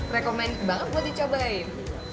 rekomen banget buat dicobain